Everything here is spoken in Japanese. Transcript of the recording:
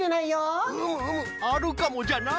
うむうむあるかもじゃな！